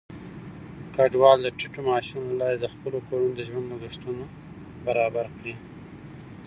کډوال د ټيټو معاشونو له لارې د خپلو کورونو د ژوند لګښتونه برابر کړي.